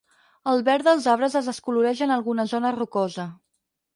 El verd dels arbres es descoloreix en alguna zona rocosa.